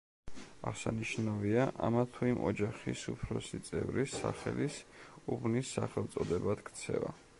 აღსანიშნავია ამა თუ იმ ოჯახის უფროსი წევრის სახელის უბნის სახელწოდებად ქცევა.